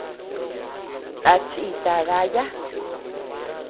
A chíita daya.